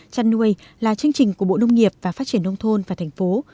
chăn nuôi là chương trình của bộ nông nghiệp và phát triển nông thôn và thành phố